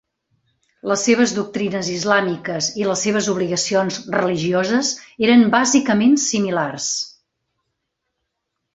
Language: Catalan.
Les seves doctrines islàmiques i les seves obligacions religioses eren bàsicament similars.